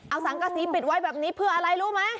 เอาสังกษีปิดไว้แบบนี้เพื่ออะไรรู้ไหม